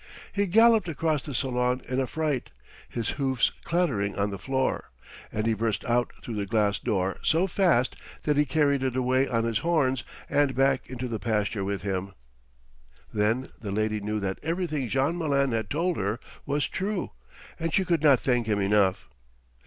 He galloped across the salon in a fright, his hoofs clattering on the floor, and burst out through the glass door so fast that he carried it away on his horns and back into the pasture with him. Then the lady knew that everything Jean Malin had told her was true, and she could not thank him enough.